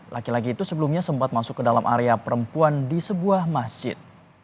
laki laki itu sebelumnya sempat masuk ke dalam area perempuan di sebuah masjid